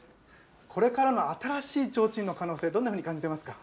これからの新しいちょうちんの可能性、どのように感じてますか。